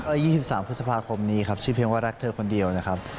๒๓พฤษภาคมนี้ครับชื่อเพียงว่ารักเธอคนเดียวนะครับ